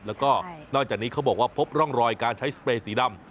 แล้วก็นอกจากนี้เขาบอกว่าพบร่องรอยการใช้สเปรย์สีดำ